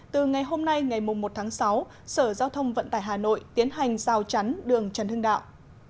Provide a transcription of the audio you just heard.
từ ngày hôm nay ngày một tháng sáu sở giao thông vận tải hà nội tiến hành rào chắn đường trần hưng đạo